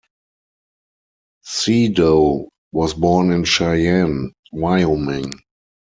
Siedow was born in Cheyenne, Wyoming.